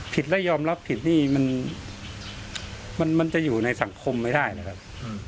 และยอมรับผิดนี่มันจะอยู่ในสังคมไม่ได้นะครับ